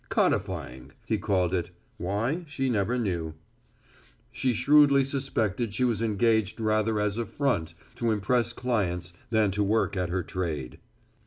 "Codifying," he called it; why she never knew. She shrewdly suspected she was engaged rather as a "front" to impress clients than to work at her trade.